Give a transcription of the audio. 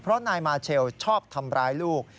เพราะนายมาเชลชอบทำร้ายลูก